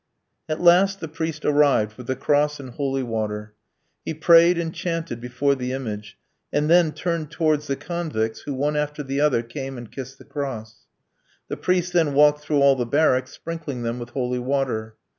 At last the priest arrived, with the cross and holy water. He prayed and chanted before the image, and then turned towards the convicts, who one after the other came and kissed the cross. The priest then walked through all the barracks, sprinkling them with holy water.